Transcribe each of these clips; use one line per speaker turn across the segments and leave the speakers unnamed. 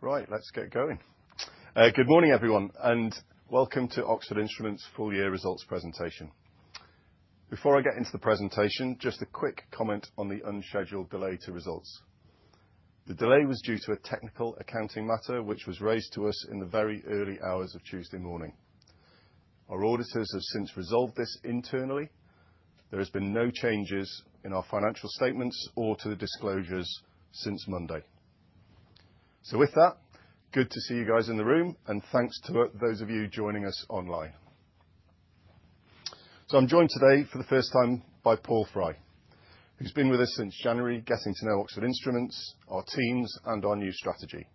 Cool. Right, let's get going. Good morning, everyone, and welcome to Oxford Instruments' Full-Year Results Presentation. Before I get into the presentation, just a quick comment on the unscheduled delay to results. The delay was due to a technical accounting matter which was raised to us in the very early hours of Tuesday morning. Our auditors have since resolved this internally. There have been no changes in our financial statements or to the disclosures since Monday. With that, good to see you guys in the room, and thanks to those of you joining us online. I'm joined today for the first time by Paul Fry, who's been with us since January, getting to know Oxford Instruments, our teams, and our new strategy.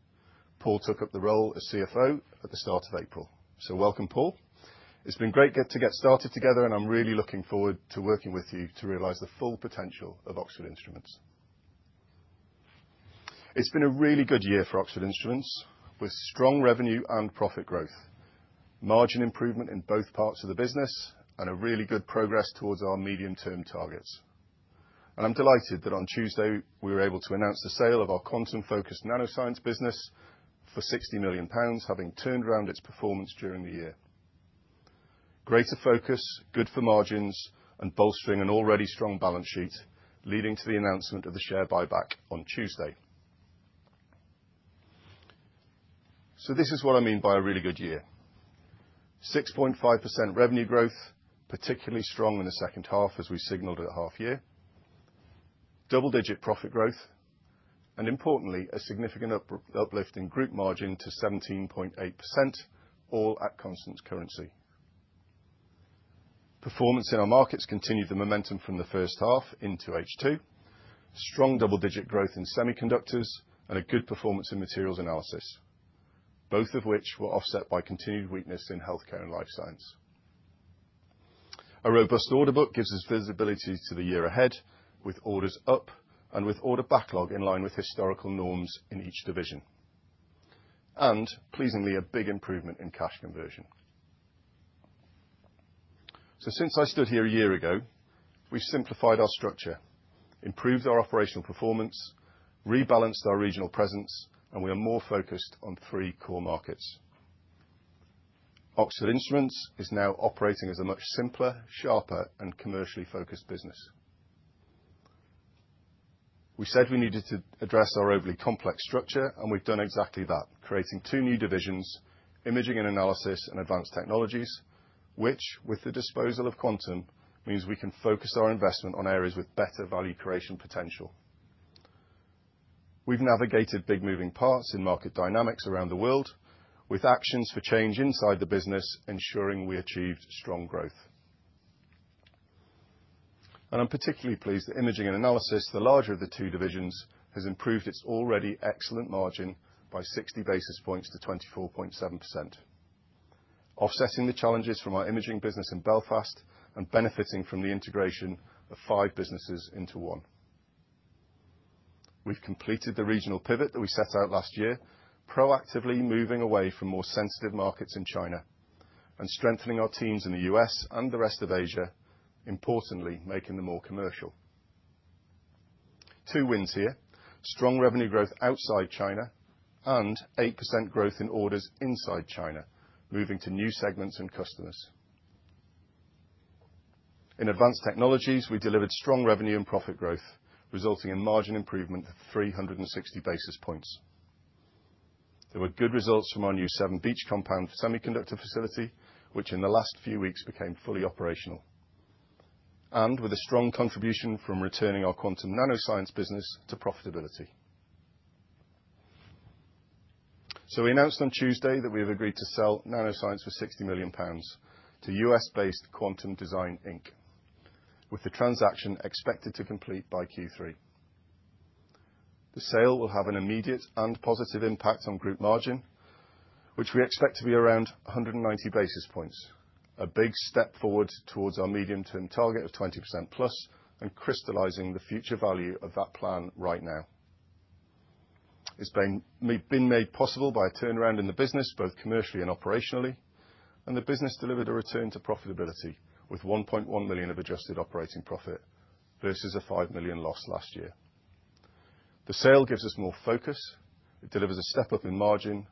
Paul took up the role as CFO at the start of April. Welcome, Paul. It's been great to get started together, and I'm really looking forward to working with you to realize the full potential of Oxford Instruments. It's been a really good year for Oxford Instruments, with strong revenue and profit growth, margin improvement in both parts of the business, and a really good progress towards our medium-term targets. I'm delighted that on Tuesday we were able to announce the sale of our quantum-focused NanoScience business for 60 million pounds, having turned around its performance during the year. Greater focus, good for margins, and bolstering an already strong balance sheet, leading to the announcement of the share buyback on Tuesday. This is what I mean by a really good year: 6.5% revenue growth, particularly strong in the second half, as we signaled at half-year, double-digit profit growth, and importantly, a significant uplift in group margin to 17.8%, all at constant currency. Performance in our markets continued the momentum from the first half into H2. Strong double-digit growth in semiconductors and a good performance in materials analysis, both of which were offset by continued weakness in Healthcare & Life Science. A robust order book gives us visibility to the year ahead, with orders up and with order backlog in line with historical norms in each division. Pleasingly, a big improvement in cash conversion. Since I stood here a year ago, we've simplified our structure, improved our operational performance, rebalanced our regional presence, and we are more focused on three core markets. Oxford Instruments is now operating as a much simpler, sharper, and commercially focused business. We said we needed to address our overly complex structure, and we've done exactly that, creating two new divisions: Imaging and Analysis and Advanced Technologies, which, with the disposal of quantum, means we can focus our investment on areas with better value creation potential. We have navigated big moving parts in market dynamics around the world with actions for change inside the business, ensuring we achieved strong growth. I am particularly pleased that Imaging and Analysis, the larger of the two divisions, has improved its already excellent margin by 60 basis points to 24.7%, offsetting the challenges from our imaging business in Belfast and benefiting from the integration of five businesses into one. We have completed the regional pivot that we set out last year, proactively moving away from more sensitive markets in China and strengthening our teams in the U.S. and the rest of Asia, importantly, making them more commercial. Two wins here: strong revenue growth outside China and 8% growth in orders inside China, moving to new segments and customers. In Advanced Technologies, we delivered strong revenue and profit growth, resulting in margin improvement of 360 basis points. There were good results from our new Severn Beach compound semiconductor facility, which in the last few weeks became fully operational, and with a strong contribution from returning our quantum NanoScience business to profitability. We announced on Tuesday that we have agreed to sell NanoScience for 60 million pounds to U.S.-based Quantum Design, with the transaction expected to complete by Q3. The sale will have an immediate and positive impact on group margin, which we expect to be around 190 basis points, a big step forward towards our medium-term target of 20% plus and crystallizing the future value of that plan right now. It's been made possible by a turnaround in the business, both commercially and operationally, and the business delivered a return to profitability with 1.1 million of adjusted operating profit versus a 5 million loss last year. The sale gives us more focus. It delivers a step up in margin.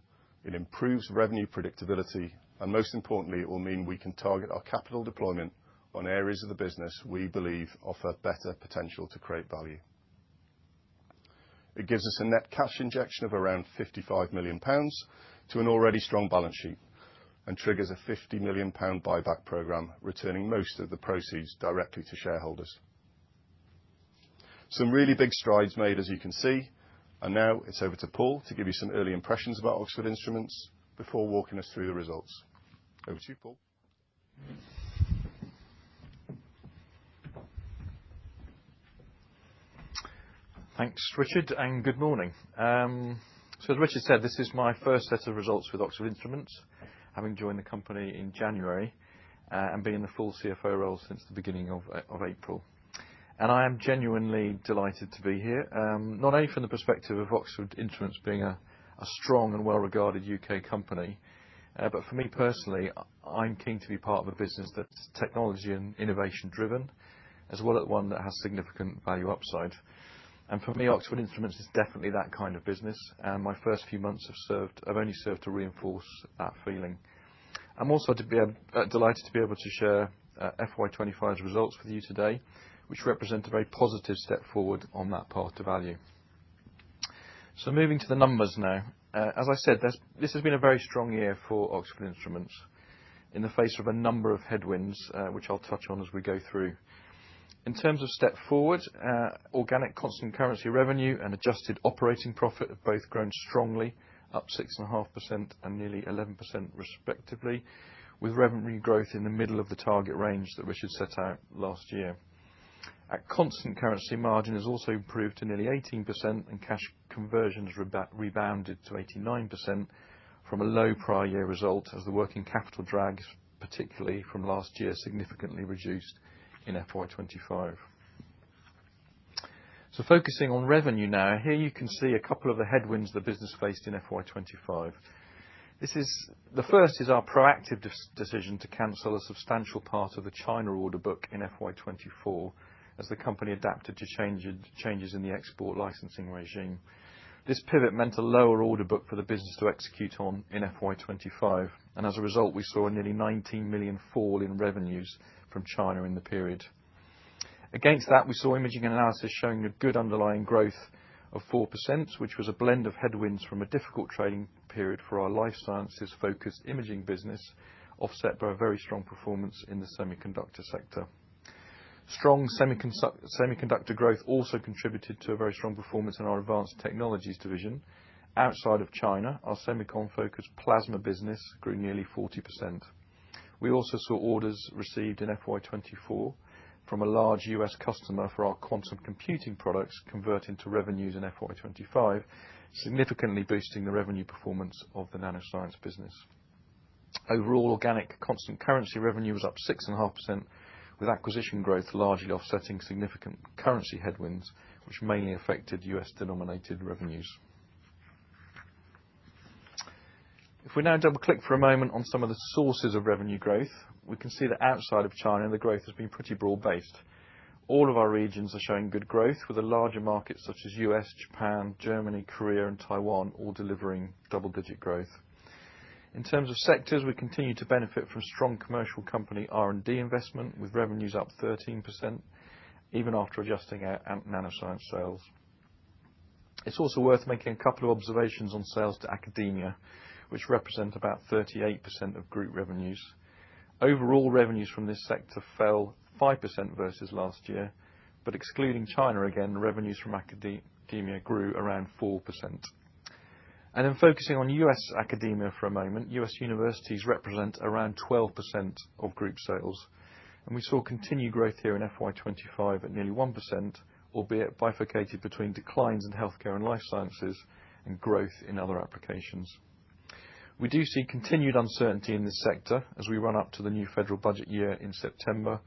It improves revenue predictability. Most importantly, it will mean we can target our capital deployment on areas of the business we believe offer better potential to create value. It gives us a net cash injection of around 55 million pounds to an already strong balance sheet and triggers a 50 million pound buyback program, returning most of the proceeds directly to shareholders. Some really big strides made, as you can see. Now it's over to Paul to give you some early impressions about Oxford Instruments before walking us through the results. Over to you, Paul.
Thanks, Richard, and good morning. As Richard said, this is my first set of results with Oxford Instruments, having joined the company in January and being in the full CFO role since the beginning of April. I am genuinely delighted to be here, not only from the perspective of Oxford Instruments being a strong and well-regarded U.K. company, but for me personally, I'm keen to be part of a business that's technology and innovation-driven, as well as one that has significant value upside. For me, Oxford Instruments is definitely that kind of business. My first few months have only served to reinforce that feeling. I'm also delighted to be able to share FY 2025's results with you today, which represent a very positive step forward on that path to value. Moving to the numbers now, as I said, this has been a very strong year for Oxford Instruments in the face of a number of headwinds, which I'll touch on as we go through. In terms of step forward, organic constant currency revenue and adjusted operating profit have both grown strongly, up 6.5% and nearly 11%, respectively, with revenue growth in the middle of the target range that Richard set out last year. At constant currency, margin has also improved to nearly 18%, and cash conversion has rebounded to 89% from a low prior year result, as the working capital drag, particularly from last year, significantly reduced in FY 2025. Focusing on revenue now, here you can see a couple of the headwinds the business faced in FY 2025. The first is our proactive decision to cancel a substantial part of the China order book in FY 2024, as the company adapted to changes in the export licensing regime. This pivot meant a lower order book for the business to execute on in FY 2025. As a result, we saw a nearly 19 million fall in revenues from China in the period. Against that, we saw imaging analysis showing a good underlying growth of 4%, which was a blend of headwinds from a difficult trading period for our Life Sciences-focused imaging business, offset by a very strong performance in the semiconductor sector. Strong semiconductor growth also contributed to a very strong performance in our advanced technologies division. Outside of China, our semiconductor-focused plasma business grew nearly 40%. We also saw orders received in FY 2024 from a large U.S. customer for our quantum computing products convert into revenues in FY 2025, significantly boosting the revenue performance of the NanoScience business. Overall, organic constant currency revenue was up 6.5%, with acquisition growth largely offsetting significant currency headwinds, which mainly affected U.S.-denominated revenues. If we now double-click for a moment on some of the sources of revenue growth, we can see that outside of China, the growth has been pretty broad-based. All of our regions are showing good growth, with the larger markets such as U.S., Japan, Germany, Korea, and Taiwan all delivering double-digit growth. In terms of sectors, we continue to benefit from strong commercial company R&D investment, with revenues up 13%, even after adjusting our NanoScience sales. It's also worth making a couple of observations on sales to academia, which represent about 38% of group revenues. Overall, revenues from this sector fell 5% versus last year, but excluding China again, revenues from academia grew around 4%. Focusing on U.S. academia for a moment, U.S. universities represent around 12% of group sales. We saw continued growth here in FY 2025 at nearly 1%, albeit bifurcated between declines in Healthcare & Life Sciences and growth in other applications. We do see continued uncertainty in this sector as we run up to the new federal budget year in September,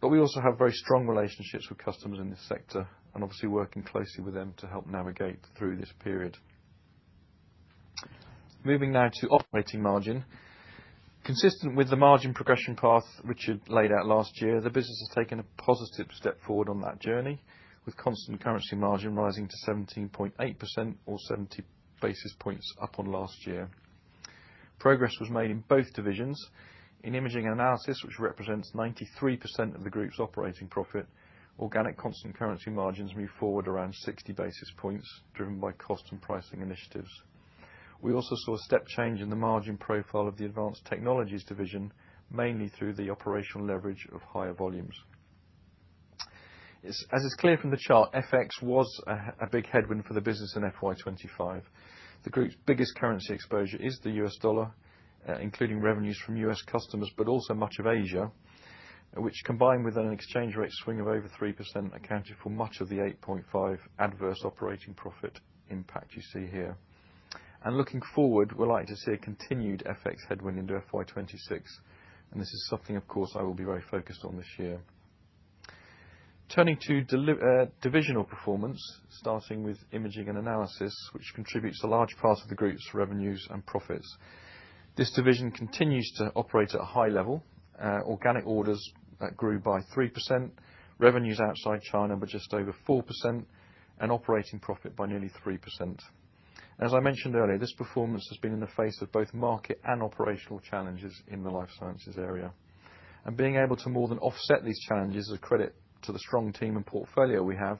but we also have very strong relationships with customers in this sector and obviously working closely with them to help navigate through this period. Moving now to operating margin. Consistent with the margin progression path Richard laid out last year, the business has taken a positive step forward on that journey, with constant currency margin rising to 17.8%, or 70 basis points up on last year. Progress was made in both divisions. In imaging analysis, which represents 93% of the group's operating profit, organic constant currency margins moved forward around 60 basis points, driven by cost and pricing initiatives. We also saw a step change in the margin profile of the advanced technologies division, mainly through the operational leverage of higher volumes. As it is clear from the chart, FX was a big headwind for the business in FY 2025. The group's biggest currency exposure is the US dollar, including revenues from U.S. customers, but also much of Asia, which, combined with an exchange rate swing of over 3%, accounted for much of the 8.5% adverse operating profit impact you see here. Looking forward, we are likely to see a continued FX headwind into FY 2026. This is something, of course, I will be very focused on this year. Turning to divisional performance, starting with imaging and analysis, which contributes to a large part of the group's revenues and profits. This division continues to operate at a high level. Organic orders grew by 3%, revenues outside China were just over 4%, and operating profit by nearly 3%. As I mentioned earlier, this performance has been in the face of both market and operational challenges in the Life Sciences area. Being able to more than offset these challenges is a credit to the strong team and portfolio we have,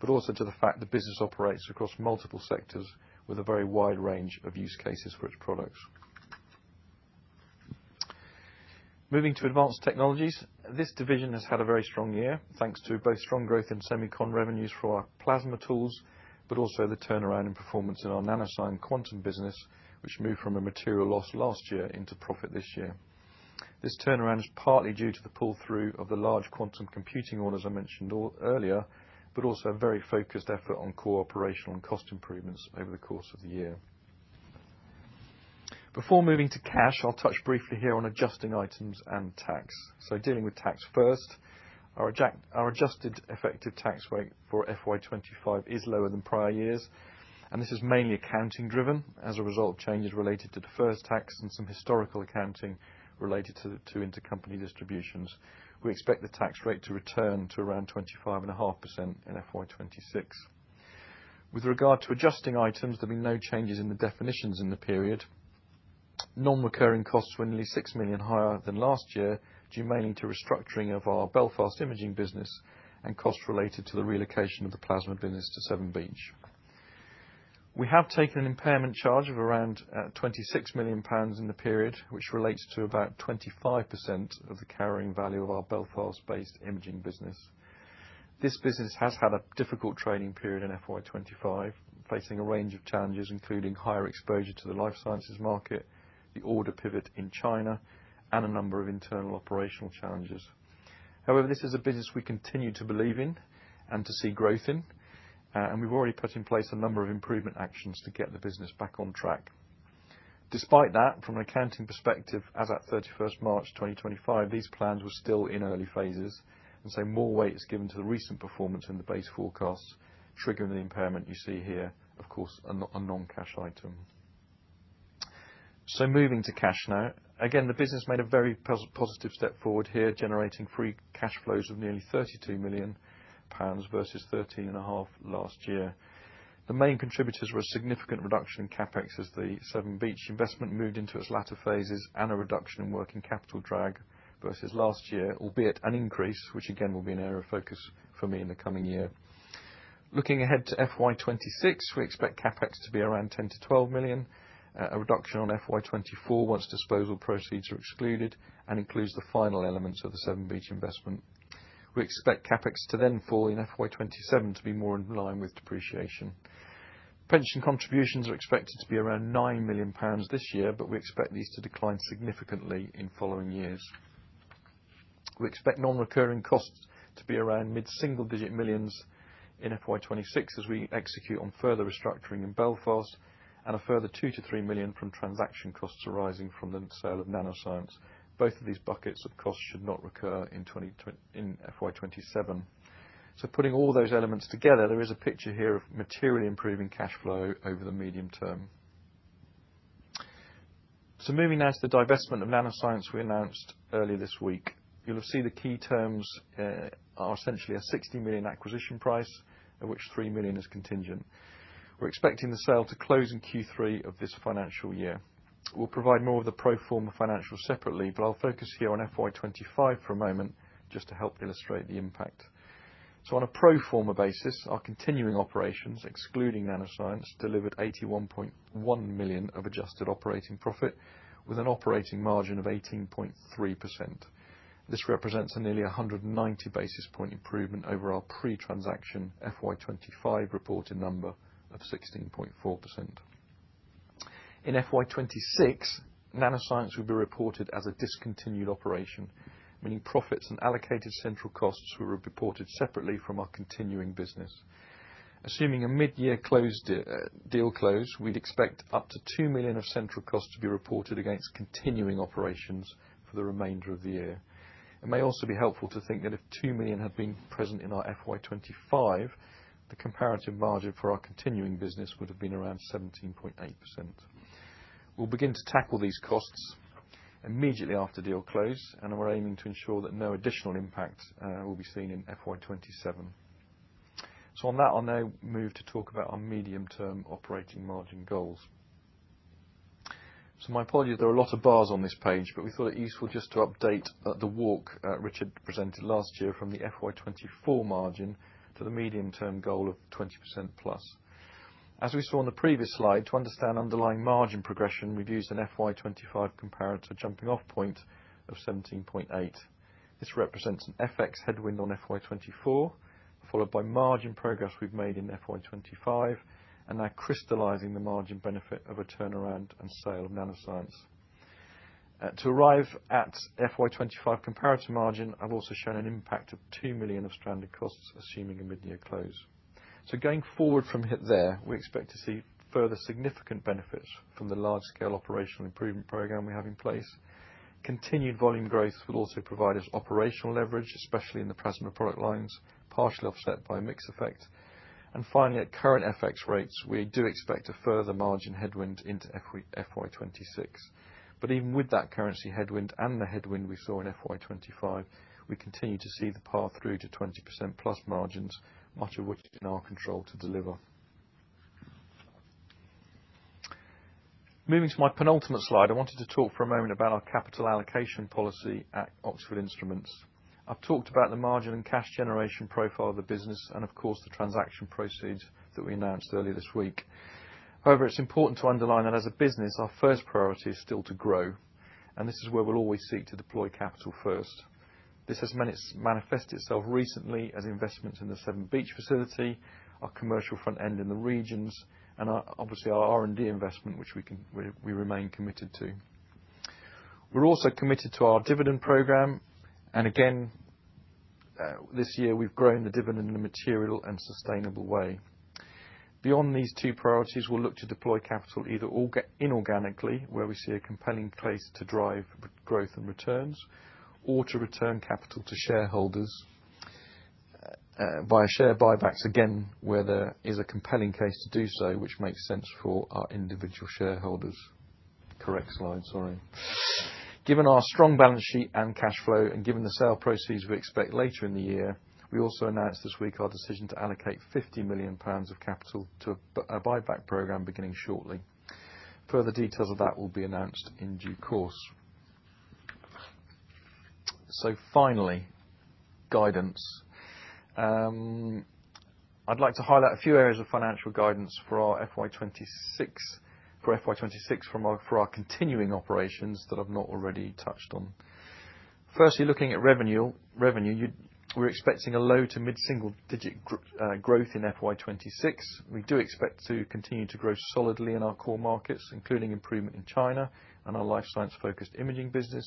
but also to the fact the business operates across multiple sectors with a very wide range of use cases for its products. Moving to advanced technologies, this division has had a very strong year, thanks to both strong growth in semiconductor revenues for our plasma tools, but also the turnaround in performance in our NanoScience quantum business, which moved from a material loss last year into profit this year. This turnaround is partly due to the pull-through of the large quantum computing orders I mentioned earlier, but also a very focused effort on core operational and cost improvements over the course of the year. Before moving to cash, I'll touch briefly here on adjusting items and tax. Dealing with tax first, our adjusted effective tax rate for FY 2025 is lower than prior years, and this is mainly accounting-driven as a result of changes related to the first tax and some historical accounting related to intercompany distributions. We expect the tax rate to return to around 25.5% in FY 2026. With regard to adjusting items, there have been no changes in the definitions in the period. Non-recurring costs were nearly 6 million higher than last year, due mainly to restructuring of our Belfast imaging business and costs related to the relocation of the plasma business to Severn Beach. We have taken an impairment charge of around 26 million pounds in the period, which relates to about 25% of the carrying value of our Belfast-based imaging business. This business has had a difficult trading period in FY 2025, facing a range of challenges, including higher exposure to the Life Sciences market, the order pivot in China, and a number of internal operational challenges. However, this is a business we continue to believe in and to see growth in, and we've already put in place a number of improvement actions to get the business back on track. Despite that, from an accounting perspective, as at 31st March 2025, these plans were still in early phases, and so more weight is given to the recent performance in the base forecasts, triggering the impairment you see here, of course, a non-cash item. Moving to cash now. Again, the business made a very positive step forward here, generating free cash flows of nearly GBP 32 million versus 13.5 million last year. The main contributors were a significant reduction in CapEx as the Severn Beach investment moved into its latter phases and a reduction in working capital drag versus last year, albeit an increase, which again will be an area of focus for me in the coming year. Looking ahead to FY 2026, we expect CapEx to be around 10-12 million, a reduction on FY 2024 once disposal proceeds are excluded, and includes the final elements of the Severn Beach investment. We expect CapEx to then fall in FY 2027 to be more in line with depreciation. Pension contributions are expected to be around 9 million pounds this year, but we expect these to decline significantly in following years. We expect non-recurring costs to be around mid-single-digit millions in FY 2026 as we execute on further restructuring in Belfast and a further 2-3 million from transaction costs arising from the sale of NanoScience. Both of these buckets of costs should not recur in FY 2027. Putting all those elements together, there is a picture here of materially improving cash flow over the medium term. Moving now to the divestment of NanoScience we announced earlier this week. You'll see the key terms are essentially a 60 million acquisition price, of which 3 million is contingent. We're expecting the sale to close in Q3 of this financial year. We'll provide more of the pro forma financials separately, but I'll focus here on FY 2025 for a moment just to help illustrate the impact. On a pro forma basis, our continuing operations, excluding NanoScience, delivered 81.1 million of adjusted operating profit with an operating margin of 18.3%. This represents a nearly 190 basis point improvement over our pre-transaction FY 2025 reported number of 16.4%. In FY 2026, NanoScience will be reported as a discontinued operation, meaning profits and allocated central costs were reported separately from our continuing business. Assuming a mid-year deal close, we'd expect up to 2 million of central costs to be reported against continuing operations for the remainder of the year. It may also be helpful to think that if 2 million had been present in our FY 2025, the comparative margin for our continuing business would have been around 17.8%. We'll begin to tackle these costs immediately after deal close, and we're aiming to ensure that no additional impact will be seen in FY 2027. On that, I'll now move to talk about our medium-term operating margin goals. My apologies, there are a lot of bars on this page, but we thought it useful just to update the walk Richard presented last year from the FY 2024 margin to the medium-term goal of 20% plus. As we saw on the previous slide, to understand underlying margin progression, we've used an FY 2025 comparator jumping off point of 17.8%. This represents an FX headwind on FY 2024, followed by margin progress we've made in FY 2025, and now crystallizing the margin benefit of a turnaround and sale of NanoScience. To arrive at FY 2025 comparator margin, I've also shown an impact of 2 million of stranded costs assuming a mid-year close. Going forward from there, we expect to see further significant benefits from the large-scale operational improvement program we have in place. Continued volume growth will also provide us operational leverage, especially in the plasma product lines, partially offset by a mixed effect. Finally, at current FX rates, we do expect a further margin headwind into FY 2026. Even with that currency headwind and the headwind we saw in FY 2025, we continue to see the path through to 20%+ margins, much of which is in our control to deliver. Moving to my penultimate slide, I wanted to talk for a moment about our capital allocation policy at Oxford Instruments. I have talked about the margin and cash generation profile of the business and, of course, the transaction proceeds that we announced earlier this week. However, it's important to underline that as a business, our first priority is still to grow, and this is where we'll always seek to deploy capital first. This has manifested itself recently as investments in the Severn Beach facility, our commercial front end in the regions, and obviously our R&D investment, which we remain committed to. We're also committed to our dividend program, and again, this year we've grown the dividend in a material and sustainable way. Beyond these two priorities, we'll look to deploy capital either inorganically, where we see a compelling case to drive growth and returns, or to return capital to shareholders via share buybacks, again, where there is a compelling case to do so, which makes sense for our individual shareholders. Correct slide, sorry. Given our strong balance sheet and cash flow, and given the sale proceeds we expect later in the year, we also announced this week our decision to allocate 50 million pounds of capital to a buyback program beginning shortly. Further details of that will be announced in due course. Finally, guidance. I'd like to highlight a few areas of financial guidance for our FY 2026 for our continuing operations that I've not already touched on. Firstly, looking at revenue, we're expecting a low to mid-single-digit growth in FY 2026. We do expect to continue to grow solidly in our core markets, including improvement in China and our Life Science-focused imaging business,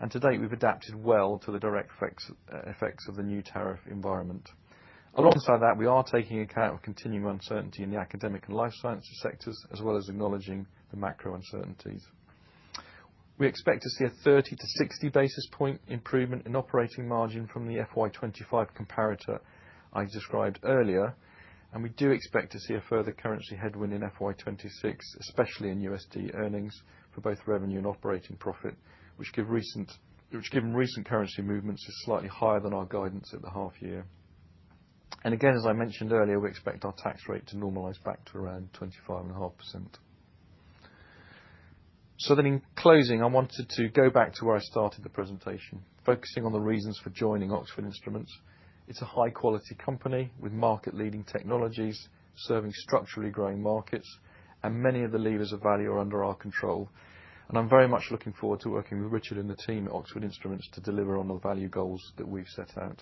and to date we've adapted well to the direct effects of the new tariff environment. Alongside that, we are taking account of continuing uncertainty in the Academic and Life Sciences sectors, as well as acknowledging the macro uncertainties. We expect to see a 30-60 basis point improvement in operating margin from the FY 2025 comparator I described earlier, and we do expect to see a further currency headwind in FY 2026, especially in USD earnings for both revenue and operating profit, which given recent currency movements is slightly higher than our guidance at the half year. As I mentioned earlier, we expect our tax rate to normalise back to around 25.5%. In closing, I wanted to go back to where I started the presentation, focusing on the reasons for joining Oxford Instruments. It's a high-quality company with market-leading technologies, serving structurally growing markets, and many of the levers of value are under our control. I'm very much looking forward to working with Richard and the team at Oxford Instruments to deliver on the value goals that we've set out.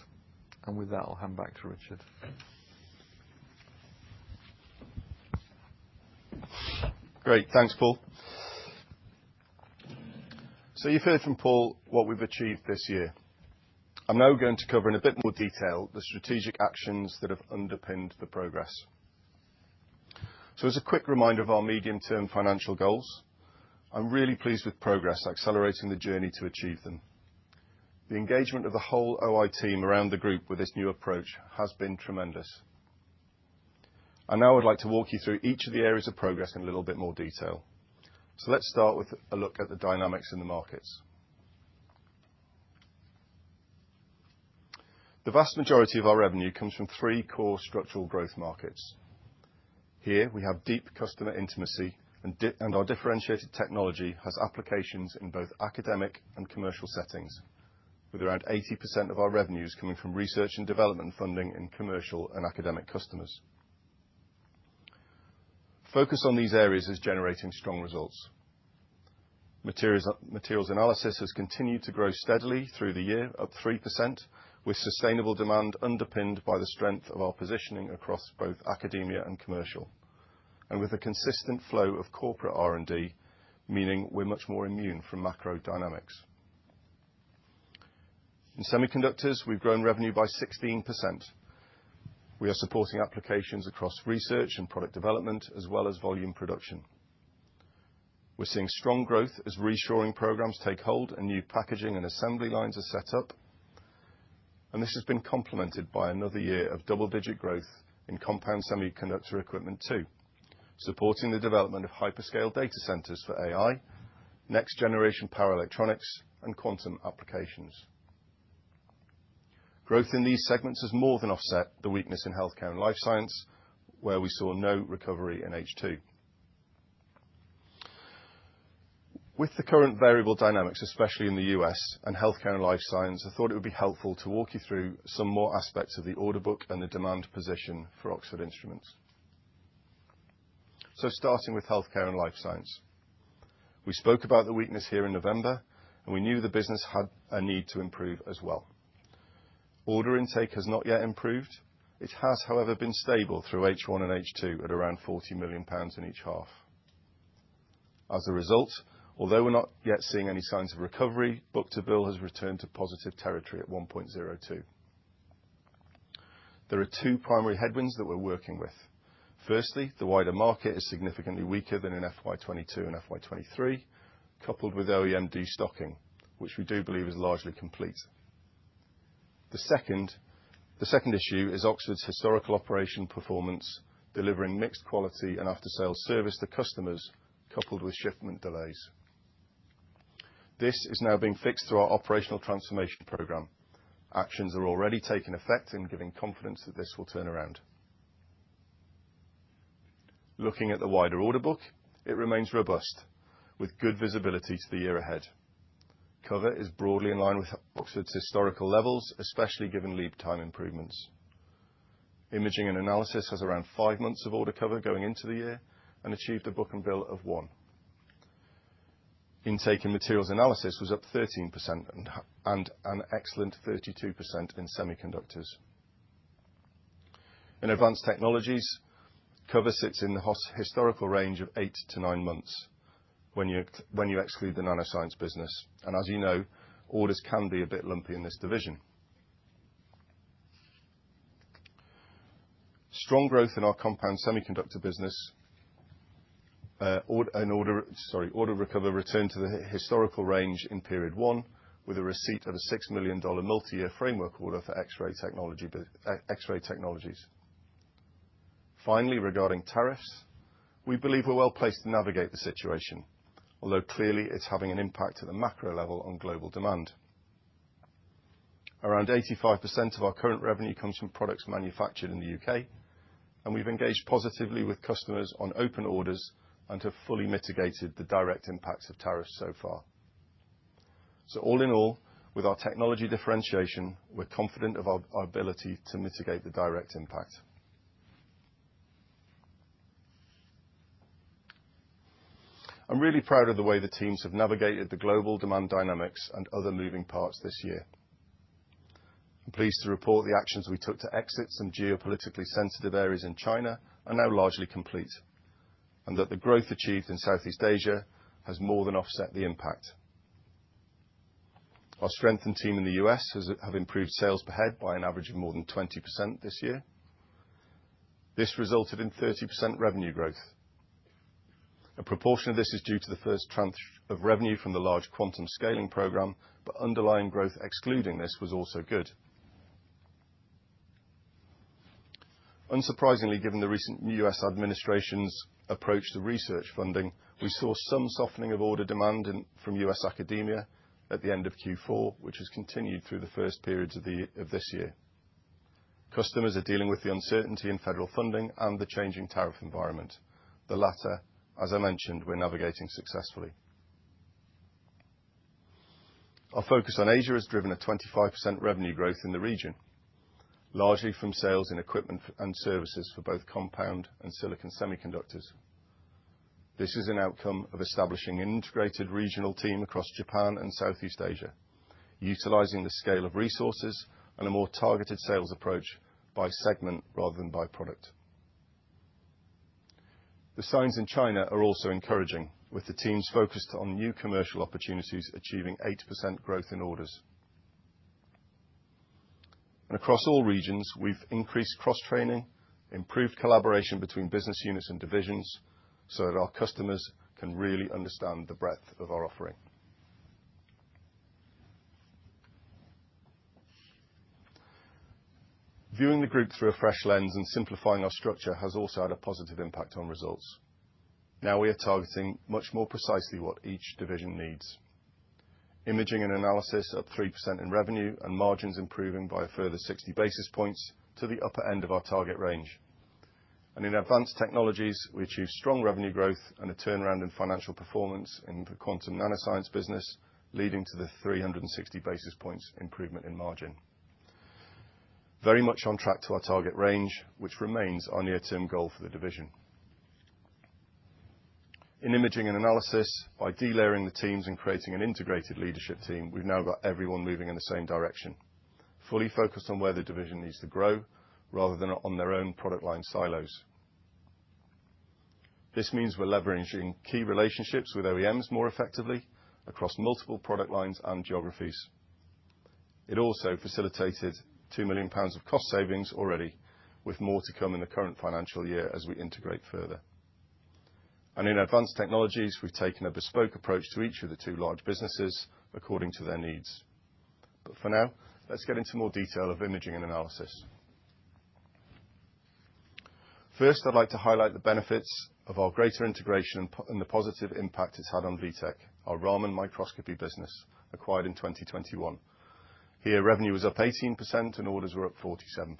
With that, I'll hand back to Richard.
Great. Thanks, Paul. You have heard from Paul what we have achieved this year. I am now going to cover in a bit more detail the strategic actions that have underpinned the progress. As a quick reminder of our medium-term financial goals, I am really pleased with progress accelerating the journey to achieve them. The engagement of the whole OI team around the group with this new approach has been tremendous. I would now like to walk you through each of the areas of progress in a little bit more detail. Let's start with a look at the dynamics in the markets. The vast majority of our revenue comes from three core structural growth markets. Here we have deep customer intimacy, and our differentiated technology has applications in both academic and commercial settings, with around 80% of our revenues coming from research and development funding in commercial and academic customers. Focus on these areas is generating strong results. Materials analysis has continued to grow steadily through the year, up 3%, with sustainable demand underpinned by the strength of our positioning across both academia and commercial, and with a consistent flow of corporate R&D, meaning we're much more immune from macro dynamics. In semiconductors, we've grown revenue by 16%. We are supporting applications across research and product development, as well as volume production. We're seeing strong growth as reassuring programs take hold and new packaging and assembly lines are set up, and this has been complemented by another year of double-digit growth in compound semiconductor equipment too, supporting the development of hyperscale data centers for AI, next-generation power electronics, and quantum applications. Growth in these segments has more than offset the weakness in Healthcare & Life Science, where we saw no recovery in H2. With the current variable dynamics, especially in the U.S. and Healthcare & Life Science, I thought it would be helpful to walk you through some more aspects of the order book and the demand position for Oxford Instruments. Starting with Healthcare & Life Science. We spoke about the weakness here in November, and we knew the business had a need to improve as well. Order intake has not yet improved. It has, however, been stable through H1 and H2 at around 40 million pounds in each half. As a result, although we're not yet seeing any signs of recovery, book to bill has returned to positive territory at 1.02. There are two primary headwinds that we're working with. Firstly, the wider market is significantly weaker than in FY 2022 and FY 2023, coupled with OEM de-stocking, which we do believe is largely complete. The second issue is Oxford Instruments' historical operation performance, delivering mixed quality and after-sales service to customers, coupled with shipment delays. This is now being fixed through our operational transformation program. Actions are already taking effect and giving confidence that this will turn around. Looking at the wider order book, it remains robust, with good visibility to the year ahead. Cover is broadly in line with Oxford Instruments' historical levels, especially given lead time improvements. Imaging and analysis has around five months of order cover going into the year and achieved a book to bill of one. Intake in materials analysis was up 13% and an excellent 32% in semiconductors. In advanced technologies, cover sits in the historical range of eight to nine months when you exclude the NanoScience business. As you know, orders can be a bit lumpy in this division. Strong growth in our compound semiconductor business, and order cover returned to the historical range in period one, with a receipt of a $6 million multi-year framework order for X-ray technologies. Finally, regarding tariffs, we believe we are well placed to navigate the situation, although clearly it is having an impact at the macro level on global demand. Around 85% of our current revenue comes from products manufactured in the U.K., and we've engaged positively with customers on open orders and have fully mitigated the direct impacts of tariffs so far. All in all, with our technology differentiation, we're confident of our ability to mitigate the direct impact. I'm really proud of the way the teams have navigated the global demand dynamics and other moving parts this year. I'm pleased to report the actions we took to exit some geopolitically sensitive areas in China are now largely complete, and that the growth achieved in Southeast Asia has more than offset the impact. Our strengthened team in the U.S. have improved sales per head by an average of more than 20% this year. This resulted in 30% revenue growth. A proportion of this is due to the first tranche of revenue from the large quantum scaling program, but underlying growth excluding this was also good. Unsurprisingly, given the recent U.S. administration's approach to research funding, we saw some softening of order demand from U.S. academia at the end of Q4, which has continued through the first periods of this year. Customers are dealing with the uncertainty in federal funding and the changing tariff environment. The latter, as I mentioned, we are navigating successfully. Our focus on Asia has driven a 25% revenue growth in the region, largely from sales in equipment and services for both compound and silicon semiconductors. This is an outcome of establishing an integrated regional team across Japan and Southeast Asia, utilizing the scale of resources and a more targeted sales approach by segment rather than by product. The signs in China are also encouraging, with the teams focused on new commercial opportunities achieving 8% growth in orders. Across all regions, we've increased cross-training, improved collaboration between business units and divisions so that our customers can really understand the breadth of our offering. Viewing the group through a fresh lens and simplifying our structure has also had a positive impact on results. Now we are targeting much more precisely what each division needs. Imaging and analysis are up 3% in revenue, and margins improving by a further 60 basis points to the upper end of our target range. In advanced technologies, we achieved strong revenue growth and a turnaround in financial performance in the quantum NanoScience business, leading to the 360 basis points improvement in margin. Very much on track to our target range, which remains our near-term goal for the division. In imaging and analysis, by delayering the teams and creating an integrated leadership team, we've now got everyone moving in the same direction, fully focused on where the division needs to grow rather than on their own product line silos. This means we're leveraging key relationships with OEMs more effectively across multiple product lines and geographies. It also facilitated 2 million pounds of cost savings already, with more to come in the current financial year as we integrate further. In advanced technologies, we've taken a bespoke approach to each of the two large businesses according to their needs. For now, let's get into more detail of Imaging and Analysis. First, I'd like to highlight the benefits of our greater integration and the positive impact it's had on WITec, our Raman microscopy business acquired in 2021. Here, revenue was up 18% and orders were up 47%.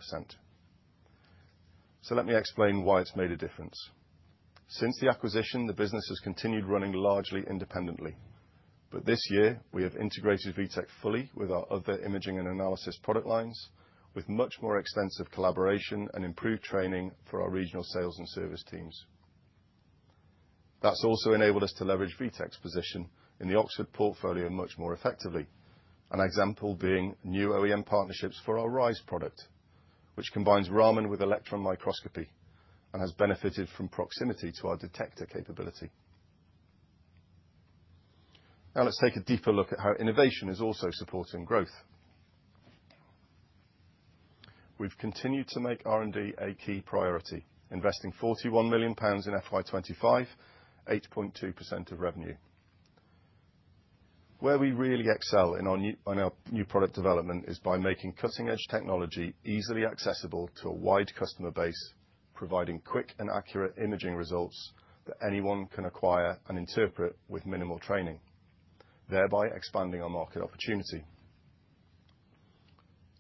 Let me explain why it's made a difference. Since the acquisition, the business has continued running largely independently. This year, we have integrated WITec fully with our other imaging and analysis product lines, with much more extensive collaboration and improved training for our regional sales and service teams. That has also enabled us to leverage WITec's position in the Oxford portfolio much more effectively, an example being new OEM partnerships for our RISE product, which combines Raman with electron microscopy and has benefited from proximity to our detector capability. Now let's take a deeper look at how innovation is also supporting growth. We've continued to make R&D a key priority, investing 41 million pounds in FY 2025, 8.2% of revenue. Where we really excel in our new product development is by making cutting-edge technology easily accessible to a wide customer base, providing quick and accurate imaging results that anyone can acquire and interpret with minimal training, thereby expanding our market opportunity.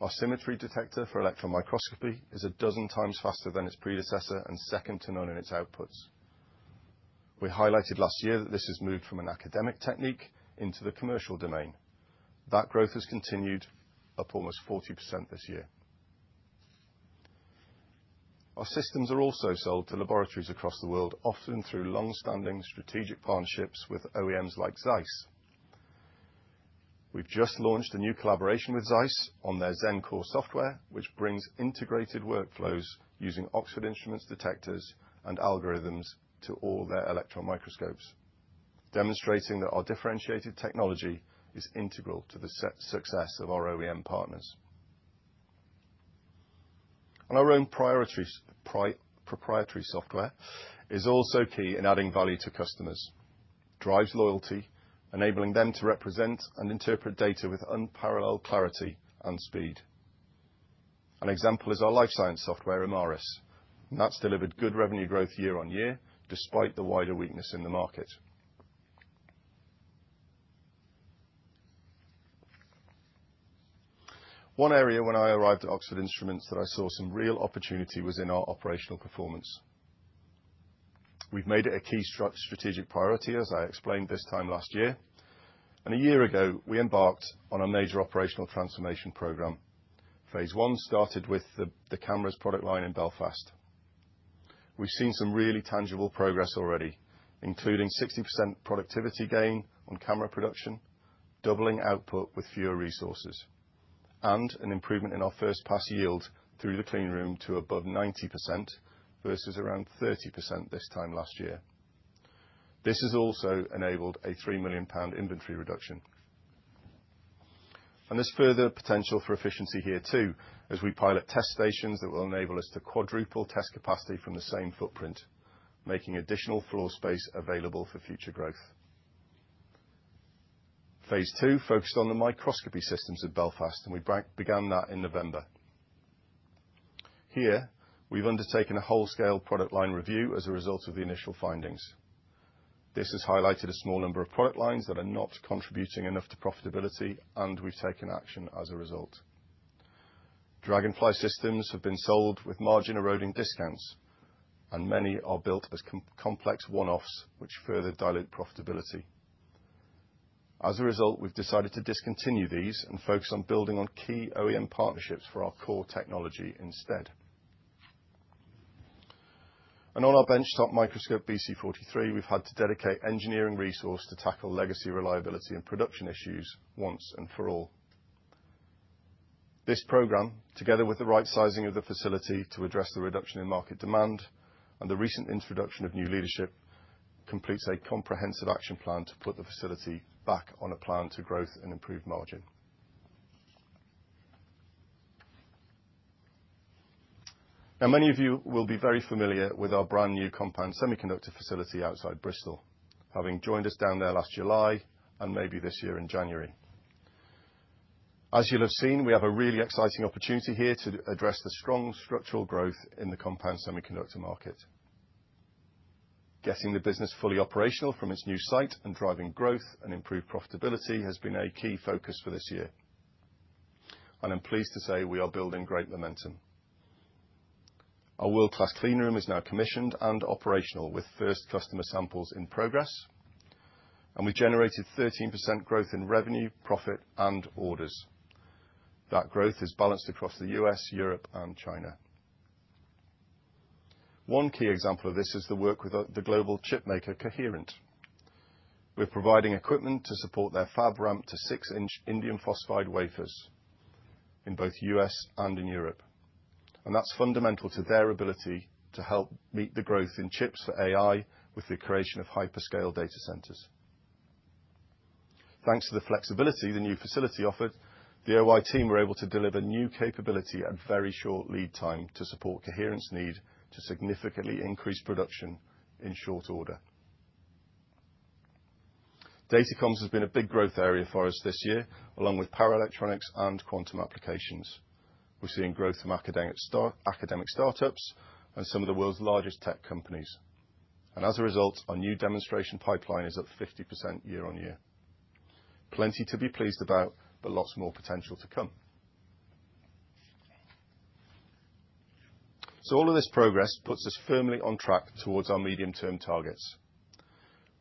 Our Symmetry detector for electron microscopy is a dozen times faster than its predecessor and second to none in its outputs. We highlighted last year that this has moved from an academic technique into the commercial domain. That growth has continued, up almost 40% this year. Our systems are also sold to laboratories across the world, often through long-standing strategic partnerships with OEMs like ZEISS. We've just launched a new collaboration with ZEISS on their ZEN core software, which brings integrated workflows using Oxford Instruments detectors and algorithms to all their electron microscopes, demonstrating that our differentiated technology is integral to the success of our OEM partners. Our own proprietary software is also key in adding value to customers, drives loyalty, enabling them to represent and interpret data with unparalleled clarity and speed. An example is our Life Science software, Imaris, and that has delivered good revenue growth year on year despite the wider weakness in the market. One area when I arrived at Oxford Instruments that I saw some real opportunity was in our operational performance. We have made it a key strategic priority, as I explained this time last year. A year ago, we embarked on a major operational transformation program. phase I started with the cameras product line in Belfast. We have seen some really tangible progress already, including 60% productivity gain on camera production, doubling output with fewer resources, and an improvement in our first pass yield through the clean room to above 90% versus around 30% this time last year. This has also enabled a 3 million pound inventory reduction. There is further potential for efficiency here too, as we pilot test stations that will enable us to quadruple test capacity from the same footprint, making additional floor space available for future growth. phase II focused on the microscopy systems at Belfast, and we began that in November. Here, we have undertaken a whole-scale product line review as a result of the initial findings. This has highlighted a small number of product lines that are not contributing enough to profitability, and we have taken action as a result. Dragonfly systems have been sold with margin-eroding discounts, and many are built as complex one-offs, which further dilute profitability. As a result, we have decided to discontinue these and focus on building on key OEM partnerships for our core technology instead. On our benchtop microscope, BC43, we have had to dedicate engineering resources to tackle legacy reliability and production issues once and for all. This program, together with the right sizing of the facility to address the reduction in market demand and the recent introduction of new leadership, completes a comprehensive action plan to put the facility back on a plan to growth and improved margin. Many of you will be very familiar with our brand new compound semiconductor facility outside Bristol, having joined us down there last July and maybe this year in January. As you will have seen, we have a really exciting opportunity here to address the strong structural growth in the compound semiconductor market. Getting the business fully operational from its new site and driving growth and improved profitability has been a key focus for this year. I am pleased to say we are building great momentum. Our world-class clean room is now commissioned and operational, with first customer samples in progress, and we've generated 13% growth in revenue, profit, and orders. That growth is balanced across the U.S., Europe, and China. One key example of this is the work with the global chipmaker Coherent. We're providing equipment to support their fab ramp to six-inch indium phosphide wafers in both the U.S. and in Europe. That is fundamental to their ability to help meet the growth in chips for AI with the creation of hyperscale data centers. Thanks to the flexibility the new facility offered, the OI team were able to deliver new capability at very short lead time to support Coherent's need to significantly increase production in short order. Data comms has been a big growth area for us this year, along with power electronics and quantum applications. We're seeing growth from academic startups and some of the world's largest tech companies. As a result, our new demonstration pipeline is up 50% year on year. Plenty to be pleased about, but lots more potential to come. All of this progress puts us firmly on track towards our medium-term targets: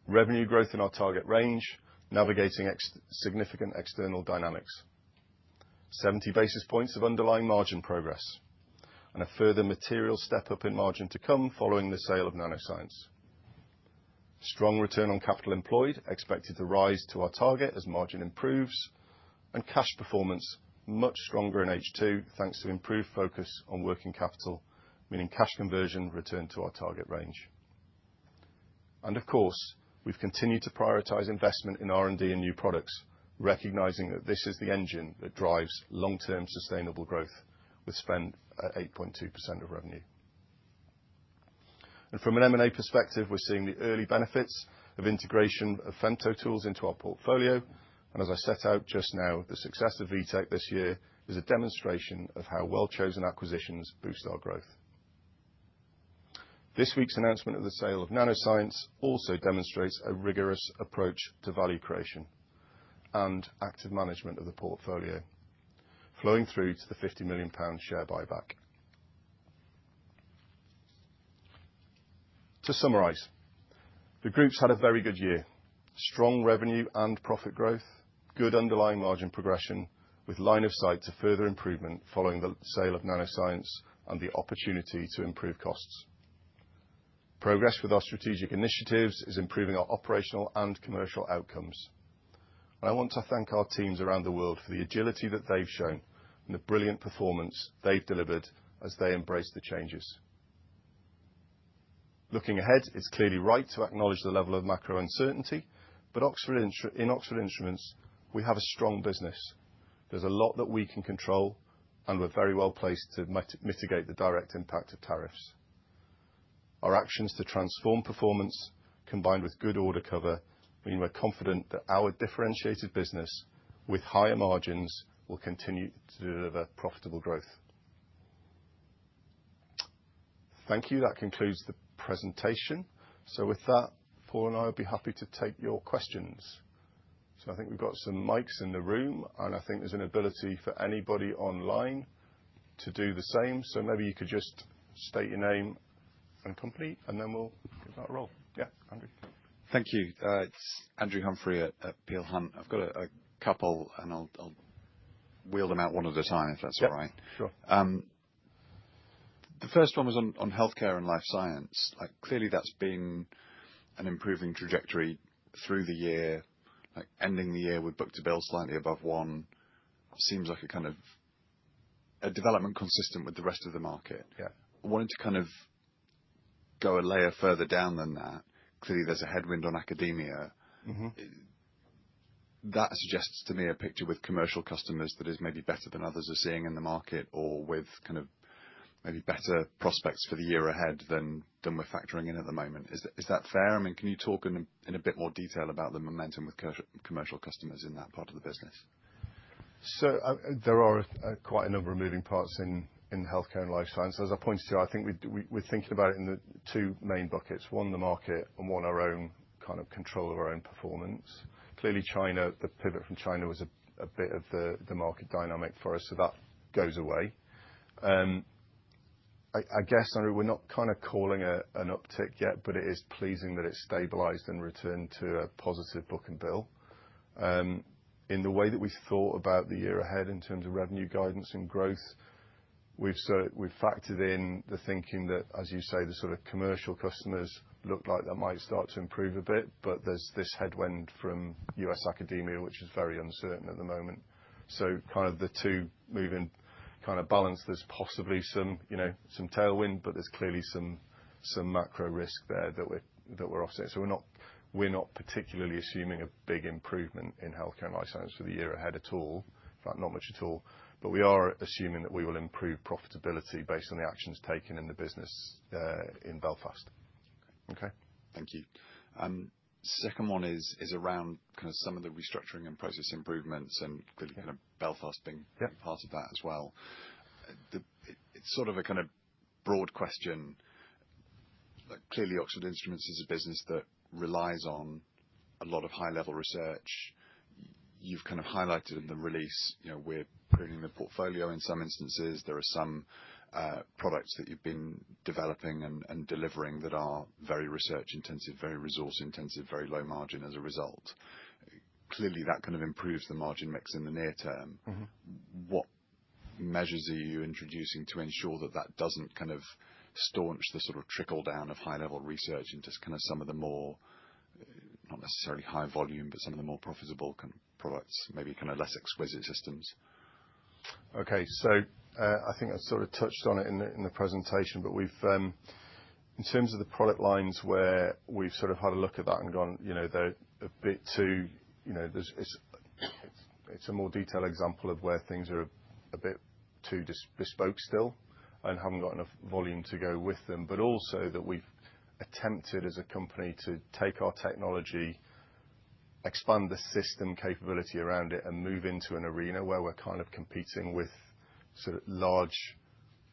revenue growth in our target range, navigating significant external dynamics, 70 basis points of underlying margin progress, and a further material step-up in margin to come following the sale of NanoScience. Strong return on capital employed expected to rise to our target as margin improves, and cash performance much stronger in H2 thanks to improved focus on working capital, meaning cash conversion returned to our target range. Of course, we've continued to prioritize investment in R&D and new products, recognizing that this is the engine that drives long-term sustainable growth with spend at 8.2% of revenue. From an M&A perspective, we're seeing the early benefits of integration of Femto tools into our portfolio. As I set out just now, the success of WITec this year is a demonstration of how well-chosen acquisitions boost our growth. This week's announcement of the sale of NanoScience also demonstrates a rigorous approach to value creation and active management of the portfolio, flowing through to the 50 million pound share buyback. To summarize, the group has had a very good year: strong revenue and profit growth, good underlying margin progression, with line of sight to further improvement following the sale of NanoScience and the opportunity to improve costs. Progress with our strategic initiatives is improving our operational and commercial outcomes. I want to thank our teams around the world for the agility that they've shown and the brilliant performance they've delivered as they embrace the changes. Looking ahead, it's clearly right to acknowledge the level of macro uncertainty, but in Oxford Instruments, we have a strong business. There's a lot that we can control, and we're very well placed to mitigate the direct impact of tariffs. Our actions to transform performance, combined with good order cover, mean we're confident that our differentiated business with higher margins will continue to deliver profitable growth. Thank you. That concludes the presentation. With that, Paul and I would be happy to take your questions. I think we've got some mics in the room, and I think there's an ability for anybody online to do the same. Maybe you could just state your name and company, and then we'll give that a roll. Yeah, Andrew.
Thank you. It's Andrew Humphrey at Peel Hunt. I've got a couple, and I'll wheel them out one at a time if that's all right. Sure. The first one was on Healthcare & Life Science. Clearly, that's been an improving trajectory through the year. Ending the year with book to bill slightly above one seems like a kind of a development consistent with the rest of the market. Wanting to kind of go a layer further down than that, clearly there's a headwind on academia. That suggests to me a picture with commercial customers that is maybe better than others are seeing in the market or with kind of maybe better prospects for the year ahead than we're factoring in at the moment. Is that fair? I mean, can you talk in a bit more detail about the momentum with commercial customers in that part of the business?
There are quite a number of moving parts in Healthcare & Life Science. As I pointed to, I think we're thinking about it in two main buckets: one, the market, and one, our own kind of control of our own performance. Clearly, China, the pivot from China was a bit of the market dynamic for us, so that goes away. I guess, Andrew, we're not kind of calling an uptick yet, but it is pleasing that it's stabilised and returned to a positive book to bill. In the way that we thought about the year ahead in terms of revenue guidance and growth, we've factored in the thinking that, as you say, the sort of commercial customers look like that might start to improve a bit, but there's this headwind from US academia, which is very uncertain at the moment. Kind of the two moving kind of balance, there's possibly some tailwind, but there's clearly some macro risk there that we're offsetting. We're not particularly assuming a big improvement in Healthcare & Life Science for the year ahead at all, in fact, not much at all. We are assuming that we will improve profitability based on the actions taken in the business in Belfast.
Okay. Thank you. Second one is around kind of some of the restructuring and process improvements and Belfast being part of that as well. It's sort of a broad question. Clearly, Oxford Instruments is a business that relies on a lot of high-level research. You've highlighted in the release, we're bringing the portfolio in some instances. There are some products that you've been developing and delivering that are very research-intensive, very resource-intensive, very low margin as a result. Clearly, that kind of improves the margin mix in the near term. What measures are you introducing to ensure that that doesn't kind of staunch the sort of trickle-down of high-level research into kind of some of the more, not necessarily high volume, but some of the more profitable kind of products, maybe kind of less exquisite systems?
Okay. I think I've sort of touched on it in the presentation, but in terms of the product lines where we've sort of had a look at that and gone, they're a bit too—it's a more detailed example of where things are a bit too bespoke still and haven't got enough volume to go with them, but also that we've attempted as a company to take our technology, expand the system capability around it, and move into an arena where we're kind of competing with sort of large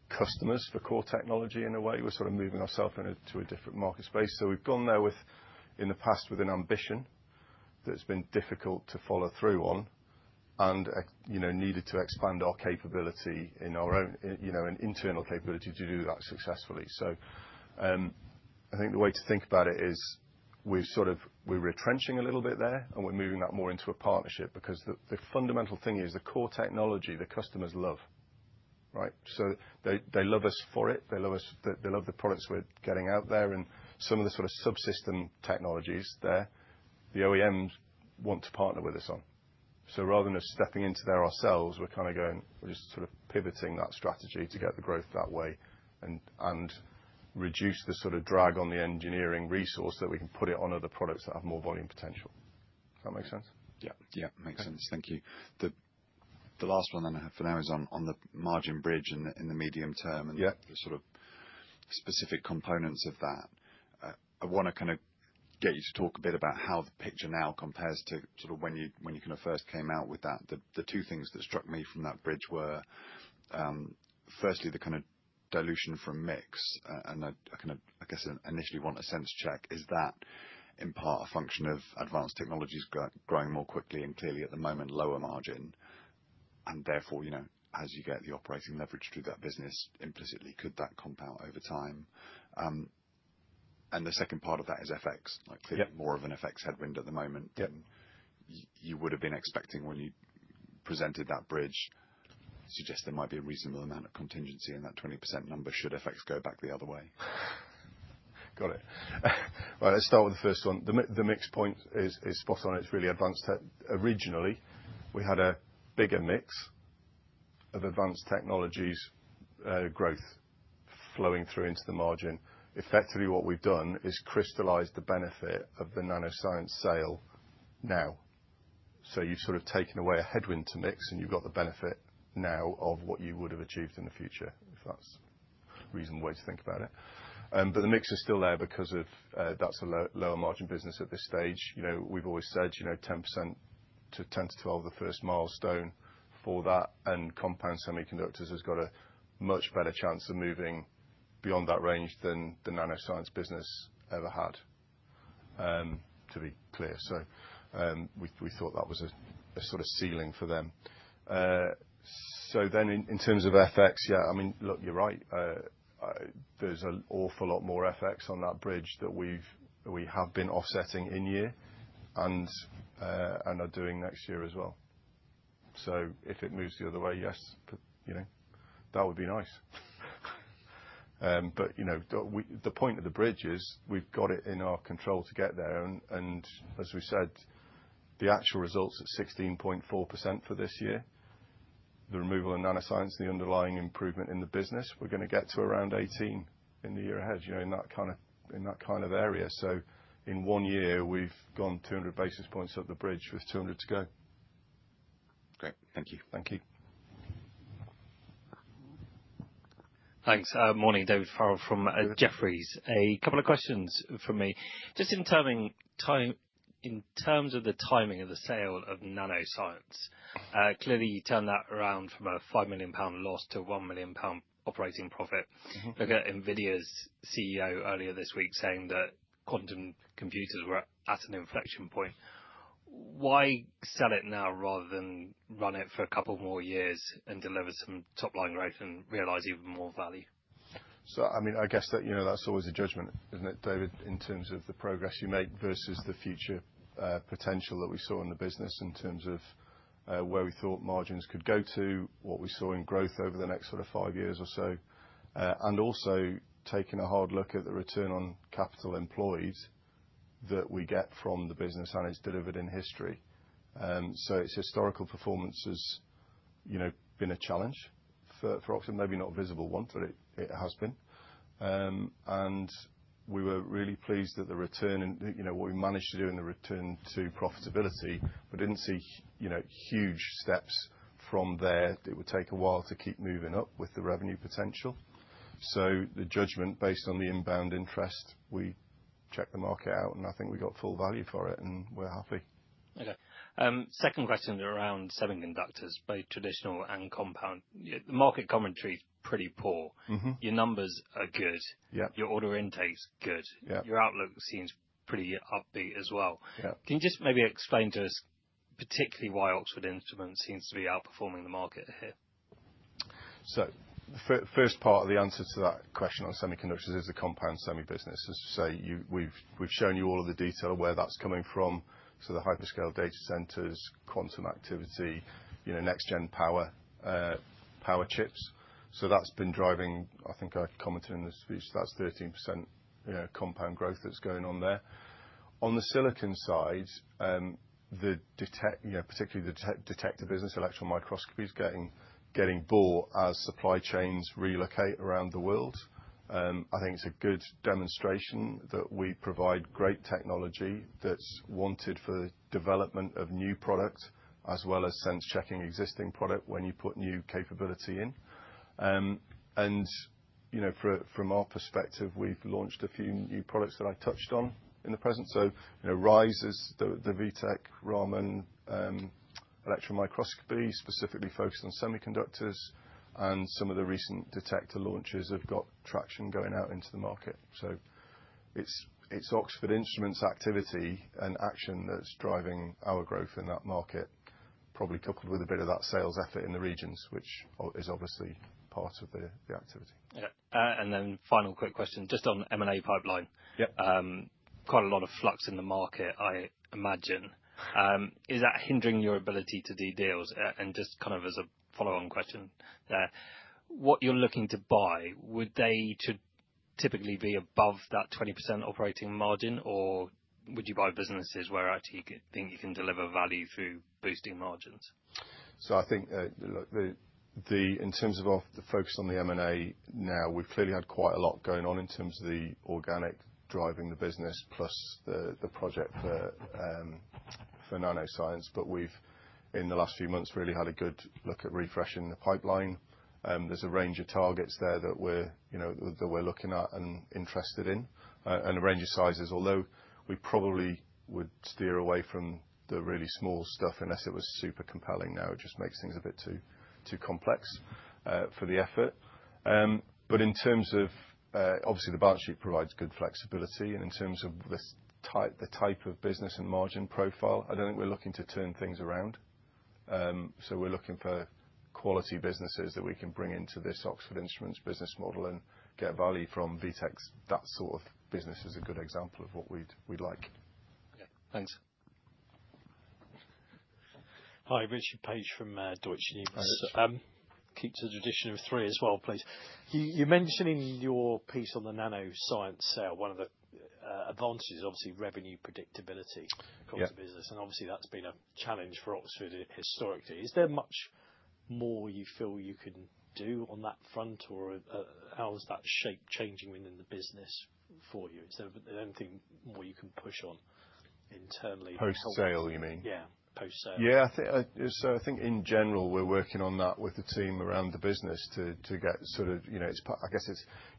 customers for core technology in a way. We're sort of moving ourselves into a different market space. We've gone there in the past with an ambition that's been difficult to follow through on and needed to expand our capability in our own internal capability to do that successfully. I think the way to think about it is we're sort of retrenching a little bit there, and we're moving that more into a partnership because the fundamental thing is the core technology the customers love, right? They love us for it. They love the products we're getting out there and some of the sort of subsystem technologies there the OEMs want to partner with us on. Rather than us stepping into there ourselves, we're kind of going, we're just sort of pivoting that strategy to get the growth that way and reduce the sort of drag on the engineering resource that we can put on other products that have more volume potential. Does that make sense?
Yeah. Yeah. Makes sense. Thank you. The last one then for now is on the margin bridge in the medium term and the sort of specific components of that. I want to kind of get you to talk a bit about how the picture now compares to sort of when you kind of first came out with that. The two things that struck me from that bridge were, firstly, the kind of dilution from mix. And I kind of, I guess, initially want a sense check. Is that in part a function of advanced technologies growing more quickly and clearly at the moment lower margin? And therefore, as you get the operating leverage through that business, implicitly, could that compound over time? The second part of that is FX. Clearly, more of an FX headwind at the moment. You would have been expecting when you presented that bridge to suggest there might be a reasonable amount of contingency in that 20% number. Should FX go back the other way?
Got it. All right. Let's start with the first one. The mix point is spot on. It's really advanced. Originally, we had a bigger mix of advanced technologies growth flowing through into the margin. Effectively, what we've done is crystallized the benefit of the NanoScience sale now. You have sort of taken away a headwind to mix, and you have got the benefit now of what you would have achieved in the future, if that's a reasonable way to think about it. The mix is still there because that's a lower margin business at this stage. We've always said 10% to 10-12% is the first milestone for that. Compound semiconductors has got a much better chance of moving beyond that range than the NanoScience business ever had, to be clear. We thought that was a sort of ceiling for them. In terms of FX, yeah, I mean, look, you're right. There's an awful lot more FX on that bridge that we have been offsetting in year and are doing next year as well. If it moves the other way, yes, that would be nice. The point of the bridge is we've got it in our control to get there. As we said, the actual results at 16.4% for this year, the removal of NanoScience, the underlying improvement in the business, we're going to get to around 18 in the year ahead in that kind of area. In one year, we've gone 200 basis points up the bridge with 200 to go.
Great. Thank you.
Thank you.
Thanks. Morning, David Farrell from Jefferies. A couple of questions for me. Just in terms of the timing of the sale of NanoScience, clearly, you turned that around from a 5 million pound loss to a 1 million pound operating profit. Look at NVIDIA's CEO earlier this week saying that quantum computers were at an inflection point. Why sell it now rather than run it for a couple more years and deliver some top-line growth and realize even more value?
I mean, I guess that's always a judgment, isn't it, David, in terms of the progress you make versus the future potential that we saw in the business in terms of where we thought margins could go to, what we saw in growth over the next sort of five years or so, and also taking a hard look at the return on capital employed that we get from the business and its delivered in history. Its historical performance has been a challenge for Oxford. Maybe not a visible one, but it has been. We were really pleased that the return and what we managed to do in the return to profitability, but did not see huge steps from there. It would take a while to keep moving up with the revenue potential. The judgment based on the inbound interest, we checked the market out, and I think we got full value for it, and we are happy.
Okay. Second question around semiconductors, both traditional and compound. The market commentary is pretty poor. Your numbers are good. Your order intake is good. Your outlook seems pretty upbeat as well. Can you just maybe explain to us particularly why Oxford Instruments seems to be outperforming the market here?
The first part of the answer to that question on semiconductors is the compound semi business. As I say, we've shown you all of the detail where that's coming from. The hyperscale data centers, quantum activity, next-gen power chips. That's been driving, I think I commented in this speech, that's 13% compound growth that's going on there. On the silicon side, particularly the detector business, electron microscopy is getting bought as supply chains relocate around the world. I think it's a good demonstration that we provide great technology that's wanted for the development of new products as well as sense-checking existing product when you put new capability in. From our perspective, we've launched a few new products that I touched on in the present. RISE is the WITec, Raman electron microscopy, specifically focused on semiconductors. Some of the recent detector launches have got traction going out into the market. It is Oxford Instruments' activity and action that is driving our growth in that market, probably coupled with a bit of that sales effort in the regions, which is obviously part of the activity.
Yeah. Then final quick question, just on M&A pipeline. Quite a lot of flux in the market, I imagine. Is that hindering your ability to do deals? Just kind of as a follow-on question there, what you are looking to buy, would they typically be above that 20% operating margin, or would you buy businesses where actually you think you can deliver value through boosting margins?
I think in terms of the focus on the M&A now, we have clearly had quite a lot going on in terms of the organic driving the business plus the project for NanoScience. We have, in the last few months, really had a good look at refreshing the pipeline. There's a range of targets there that we're looking at and interested in and a range of sizes, although we probably would steer away from the really small stuff unless it was super compelling. It just makes things a bit too complex for the effort. In terms of, obviously, the balance sheet provides good flexibility. In terms of the type of business and margin profile, I don't think we're looking to turn things around. We're looking for quality businesses that we can bring into this Oxford Instruments business model and get value from WITec. That sort of business is a good example of what we'd like.
Yeah. Thanks.
Hi, Richard Paige from Deutsche Invest. Keep to the tradition of three as well, please. You're mentioning your piece on the NanoScience sale. One of the advantages is obviously revenue predictability across the business. Obviously, that has been a challenge for Oxford historically. Is there much more you feel you can do on that front, or how is that shape-changing within the business for you? Is there anything more you can push on internally? Post-sale, you mean? Yeah. Post-sale.
Yeah. I think in general, we are working on that with the team around the business to get sort of, I guess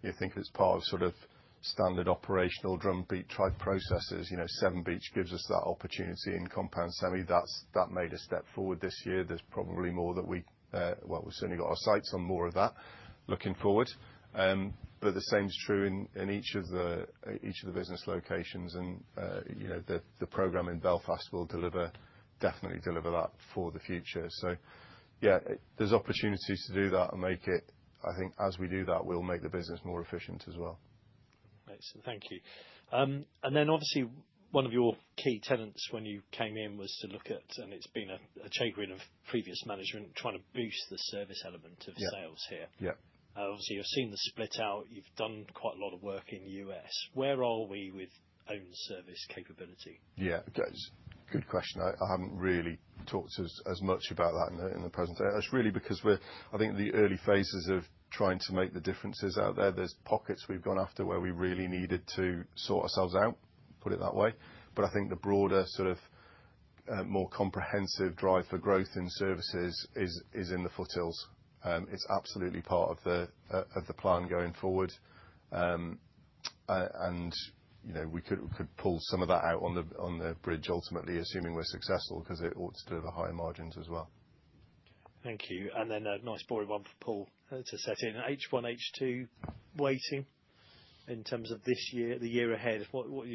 you think it is part of sort of standard operational drumbeat tribe processes. Severn Beach gives us that opportunity in compound semi. That made a step forward this year. There is probably more that we—well, we have certainly got our sights on more of that looking forward. The same is true in each of the business locations. The program in Belfast will definitely deliver that for the future. Yeah, there are opportunities to do that and make it—I think as we do that, we'll make the business more efficient as well.
Excellent. Thank you. Obviously, one of your key tenets when you came in was to look at—and it's been a chaperone of previous management—trying to boost the service element of sales here. Obviously, you've seen the split out. You've done quite a lot of work in the US. Where are we with own service capability?
Yeah. Good question. I haven't really talked to us as much about that in the present. It's really because we're—I think the early phases of trying to make the differences out there. There are pockets we've gone after where we really needed to sort ourselves out, put it that way. I think the broader sort of more comprehensive drive for growth in services is in the foothills. It's absolutely part of the plan going forward. We could pull some of that out on the bridge, ultimately, assuming we're successful because it ought to deliver higher margins as well.
Thank you. A nice boring one for Paul to set in. H1, H2 weighting in terms of this year, the year ahead. What's the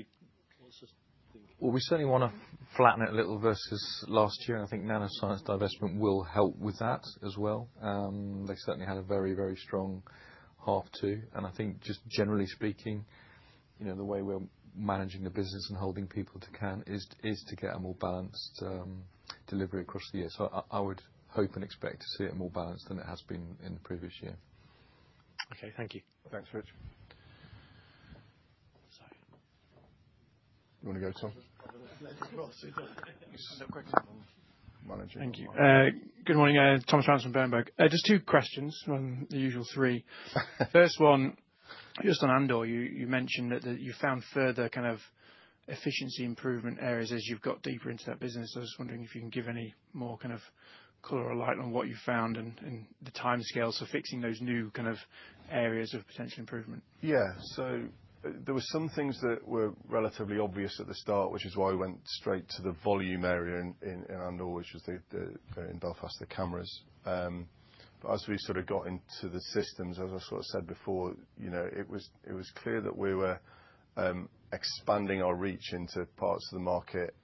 thinking?
We certainly want to flatten it a little versus last year. I think NanoScience divestment will help with that as well. They certainly had a very, very strong half two. I think just generally speaking, the way we're managing the business and holding people to account is to get a more balanced delivery across the year. I would hope and expect to see it more balanced than it has been in the previous year.
Okay. Thank you.
Thanks, Richard. Sorry. You want to go, Tom? Let's cross it. Just a quick one. Managing. Thank you.
Good morning. Thomas Rands from Berenberg. Just two questions, the usual three. First one, just on Andor, you mentioned that you found further kind of efficiency improvement areas as you've got deeper into that business. I was wondering if you can give any more kind of color or light on what you found and the timescales for fixing those new kind of areas of potential improvement.
Yeah. There were some things that were relatively obvious at the start, which is why we went straight to the volume area in Andor, which was in Belfast, the cameras. As we sort of got into the systems, as I sort of said before, it was clear that we were expanding our reach into parts of the market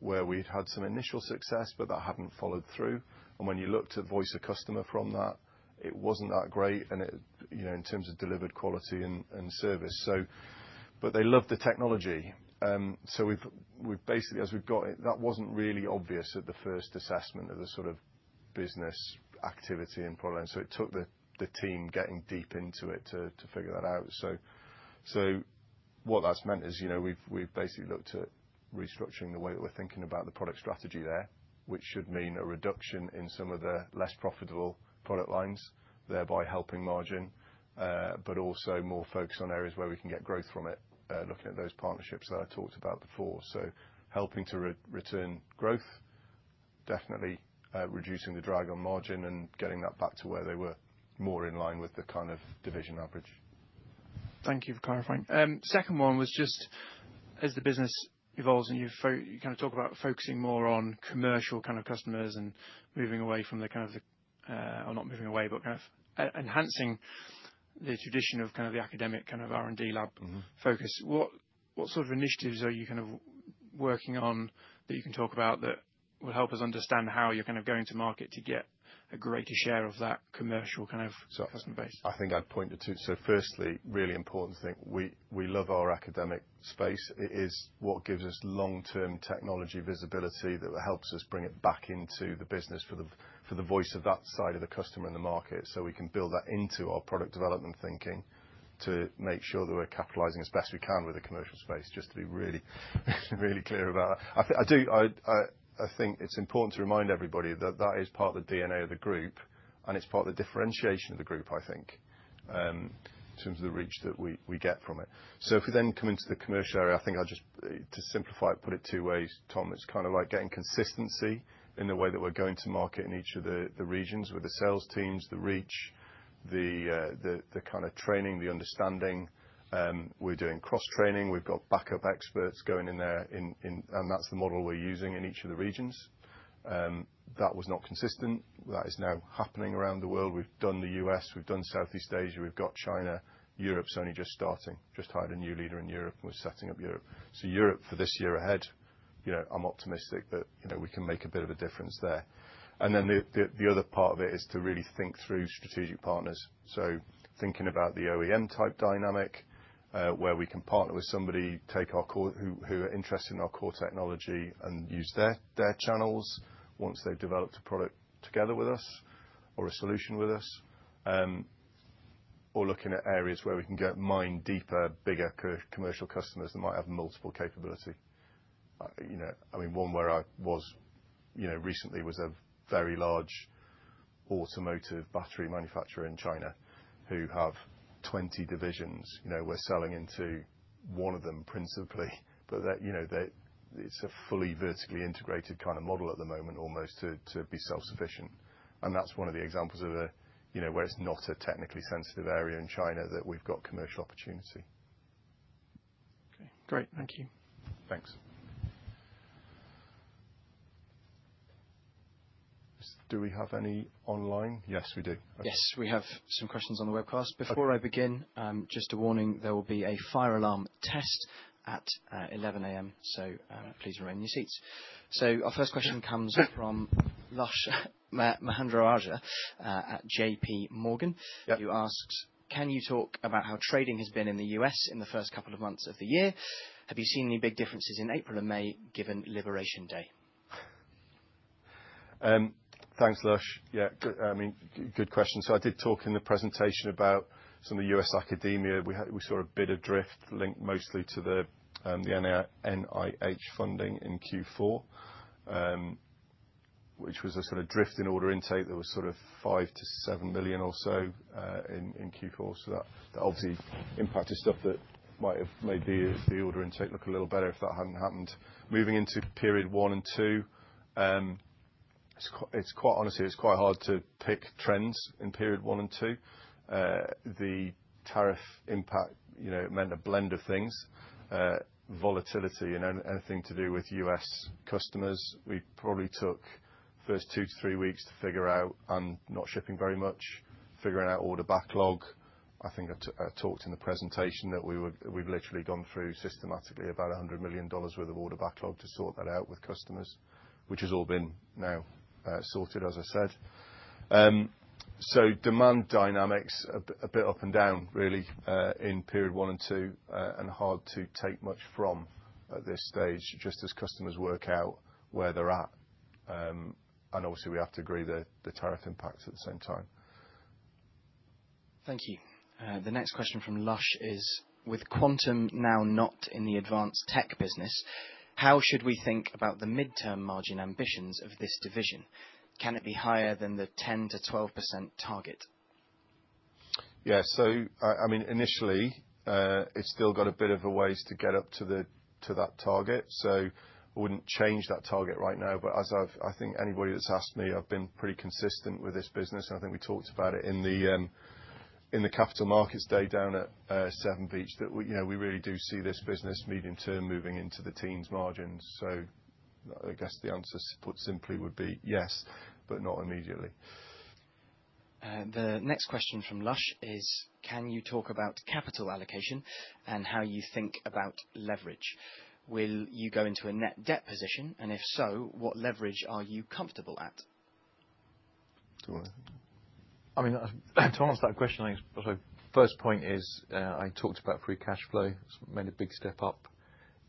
where we had had some initial success, but that had not followed through. When you looked at voice of customer from that, it was not that great in terms of delivered quality and service. They loved the technology. Basically, as we have got it, that was not really obvious at the first assessment of the sort of business activity and product. It took the team getting deep into it to figure that out. What that has meant is we have basically looked at restructuring the way that we are thinking about the product strategy there, which should mean a reduction in some of the less profitable product lines, thereby helping margin, but also more focus on areas where we can get growth from it, looking at those partnerships that I talked about before. Helping to return growth, definitely reducing the drag on margin and getting that back to where they were more in line with the kind of division average.
Thank you for clarifying. Second one was just as the business evolves and you kind of talk about focusing more on commercial kind of customers and moving away from the kind of the—or not moving away, but kind of enhancing the tradition of kind of the academic kind of R&D lab focus. What sort of initiatives are you kind of working on that you can talk about that will help us understand how you're kind of going to market to get a greater share of that commercial kind of customer base?
I think I'd point to two. Firstly, really important thing, we love our academic space. It is what gives us long-term technology visibility that helps us bring it back into the business for the voice of that side of the customer in the market. We can build that into our product development thinking to make sure that we're capitalizing as best we can with the commercial space, just to be really, really clear about that. I think it's important to remind everybody that that is part of the DNA of the group, and it's part of the differentiation of the group, I think, in terms of the reach that we get from it. If we then come into the commercial area, I think I'll just, to simplify it, put it two ways. Tom, it's kind of like getting consistency in the way that we're going to market in each of the regions with the sales teams, the reach, the kind of training, the understanding. We're doing cross-training. We've got backup experts going in there, and that's the model we're using in each of the regions. That was not consistent. That is now happening around the world. We've done the US. We've done Southeast Asia. We've got China. Europe is only just starting. Just hired a new leader in Europe and we're setting up Europe. Europe for this year ahead, I'm optimistic that we can make a bit of a difference there. The other part of it is to really think through strategic partners. Thinking about the OEM-type dynamic where we can partner with somebody, take our core who are interested in our core technology and use their channels once they've developed a product together with us or a solution with us, or looking at areas where we can get mine deeper, bigger commercial customers that might have multiple capability. I mean, one where I was recently was a very large automotive battery manufacturer in China who have 20 divisions. We're selling into one of them principally, but it's a fully vertically integrated kind of model at the moment almost to be self-sufficient. That's one of the examples of where it's not a technically sensitive area in China that we've got commercial opportunity.
Okay. Great. Thank you.
Thanks. Do we have any online?
Yes, we do. Yes. We have some questions on the webcast. Before I begin, just a warning, there will be a fire alarm test at 11:00 A.M., so please remain in your seats. Our first question comes from Lash Mahindra Raja at JPMorgan. He asks, "Can you talk about how trading has been in the U.S. in the first couple of months of the year? Have you seen any big differences in April and May given Liberation Day?"
Thanks, Lash. Yeah. I mean, good question. I did talk in the presentation about some of the U.S. academia. We saw a bit of drift linked mostly to the NIH funding in Q4, which was a sort of drift in order intake. There was sort of $5-7 million or so in Q4. That obviously impacted stuff that might have made the order intake look a little better if that had not happened. Moving into period one and two, quite honestly, it is quite hard to pick trends in period one and two. The tariff impact meant a blend of things, volatility, and anything to do with U.S. customers. We probably took the first two to three weeks to figure out and not shipping very much, figuring out order backlog. I think I talked in the presentation that we've literally gone through systematically about $100 million worth of order backlog to sort that out with customers, which has all been now sorted, as I said. Demand dynamics, a bit up and down really in period one and two and hard to take much from at this stage just as customers work out where they're at. Obviously, we have to agree the tariff impacts at the same time.
Thank you. The next question from Lash is, "With Quantum now not in the advanced tech business, how should we think about the midterm margin ambitions of this division? Can it be higher than the 10-12% target?"
Yeah. I mean, initially, it's still got a bit of a ways to get up to that target. I wouldn't change that target right now. As I think anybody that's asked me, I've been pretty consistent with this business. I think we talked about it in the capital markets day down at Severn Beach that we really do see this business medium term moving into the teens margins. I guess the answer put simply would be yes, but not immediately.
The next question from Lash is, "Can you talk about capital allocation and how you think about leverage? Will you go into a net debt position? And if so, what leverage are you comfortable at?"
I mean, to answer that question, I think the first point is I talked about free cash flow. It's made a big step up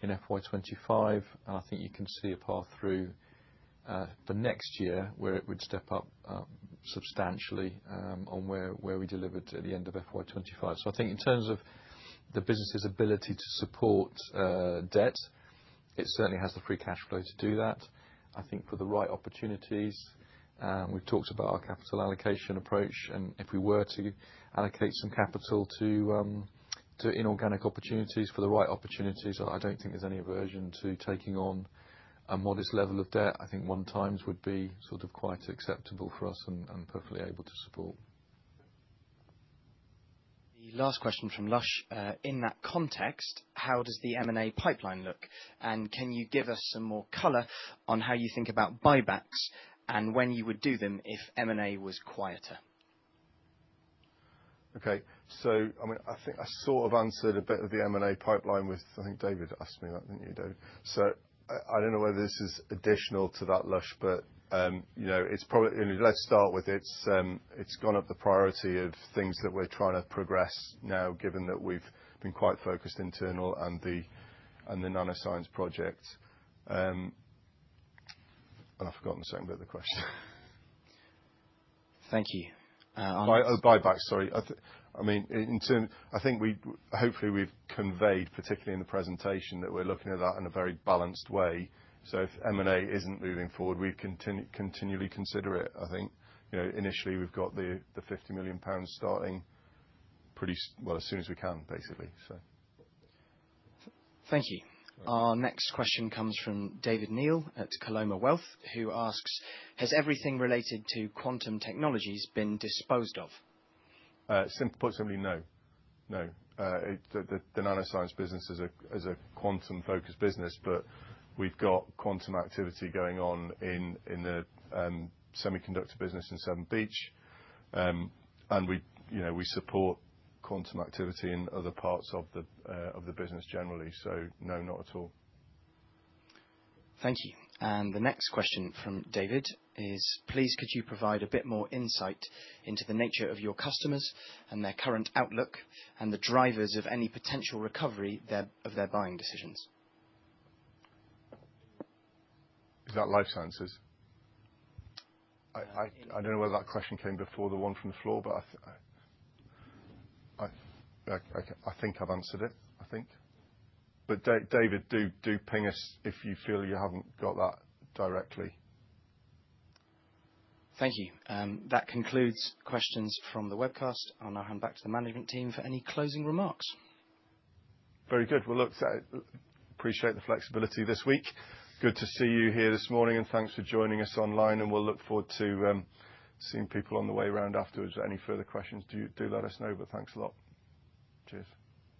in FY 2025. I think you can see a path through for next year where it would step up substantially on where we delivered at the end of FY 2025. I think in terms of the business's ability to support debt, it certainly has the free cash flow to do that. I think for the right opportunities, we've talked about our capital allocation approach. If we were to allocate some capital to inorganic opportunities for the right opportunities, I do not think there's any aversion to taking on a modest level of debt. I think one times would be quite acceptable for us and perfectly able to support.
The last question from Lash. In that context, how does the M&A pipeline look? Can you give us some more color on how you think about buybacks and when you would do them if M&A was quieter?
I mean, I think I sort of answered a bit of the M&A pipeline with I think David asked me that, did you, David? I do not know whether this is additional to that, Lash, but it is probably—let us start with it. It has gone up the priority of things that we are trying to progress now, given that we have been quite focused internal and the NanoScience project. I have forgotten the second bit of the question.
Thank you.
Buybacks, sorry. I mean, I think hopefully we have conveyed, particularly in the presentation, that we are looking at that in a very balanced way. If M&A is not moving forward, we continually consider it. I think initially we have got the 50 million pounds starting pretty well as soon as we can, basically.
Thank you. Our next question comes from David Neil at Coloma Wealth, who asks, "Has everything related to quantum technologies been disposed of?"
Put simply, no. No. The NanoScience business is a quantum-focused business, but we have got quantum activity going on in the semiconductor business in Severn Beach. We support quantum activity in other parts of the business generally. No, not at all.
Thank you. The next question from David is, "Please, could you provide a bit more insight into the nature of your customers and their current outlook and the drivers of any potential recovery of their buying decisions?"
Is that Life Sciences? I do not know whether that question came before the one from the floor, but I think I have answered it, I think. David, do ping us if you feel you have not got that directly.
Thank you. That concludes questions from the webcast. I will now hand back to the management team for any closing remarks.
Very good. I appreciate the flexibility this week. Good to see you here this morning, and thanks for joining us online. We look forward to seeing people on the way around afterwards. Any further questions, do let us know. Thanks a lot. Cheers.